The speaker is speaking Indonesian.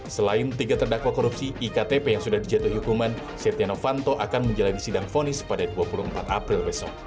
selain tiga terdakwa korupsi iktp yang sudah dijatuhi hukuman setia novanto akan menjalani sidang fonis pada dua puluh empat april besok